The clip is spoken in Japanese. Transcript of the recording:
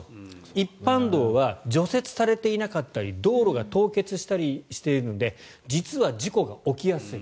一般道は除雪されていなかったり道路が凍結したりしているので実は事故が起きやすい。